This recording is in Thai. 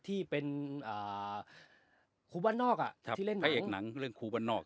ที่เป็นเอ่อครูบันนอกอ่ะที่เล่นภัยแห่งหนังเรื่องครูบันนอก